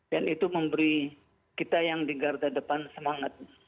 dan itu memberi kita yang di garda depan semangat